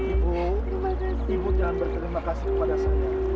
ibu ibu jangan berterima kasih kepada saya